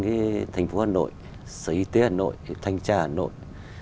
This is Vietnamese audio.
cái thành phố hà nội sở y tế hà nội thanh tra hà nội